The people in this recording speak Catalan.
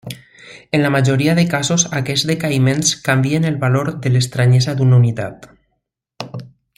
En la majoria de casos aquests decaïments canvien el valor de l'estranyesa d'una unitat.